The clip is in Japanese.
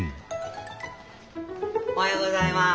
おはようございます。